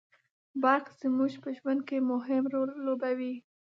برق زموږ په ژوند کي مهم رول لوبوي